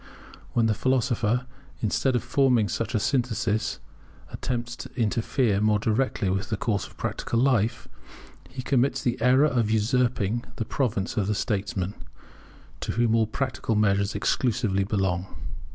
When the philosopher, instead of forming such a synthesis, attempts to interfere more directly with the course of practical life, he commits the error of usurping the province of the statesman, to whom all practical measures exclusively belong.